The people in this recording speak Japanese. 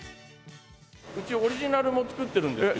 うちオリジナルも作ってるんですけど。